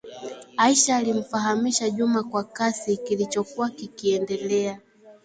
Aisha alimfahamisha Juma kwa kasi kilichokuwa kikiendelea